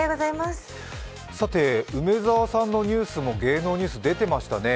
さて、梅澤さんのニュースも芸能ニュース、出てましたね。